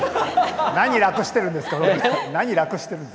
何、楽してるんですか！